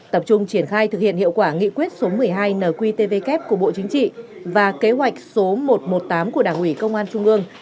tập trung triển khai thực hiện hiệu quả nghị quyết số một mươi hai nqtvk của bộ chính trị và kế hoạch số một trăm một mươi tám của đảng ủy công an trung ương